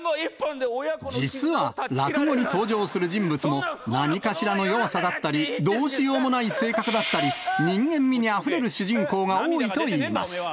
実は、落語に登場する人物も、何かしらの弱さだったり、どうしようもない性格だったり、人間味にあふれる主人公が多いといいます。